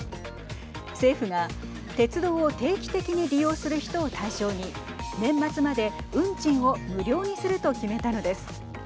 政府が鉄道を定期的に利用する人を対象に年末まで運賃を無料にすると決めたのです。